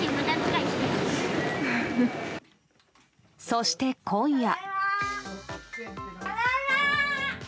そして、今夜。